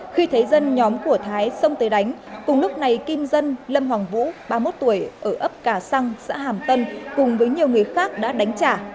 khi thấy dân nhóm của thái xông tới đánh cùng lúc này kim dân lâm hoàng vũ ba mươi một tuổi ở ấp cà săng xã hàm tân cùng với nhiều người khác đã đánh trả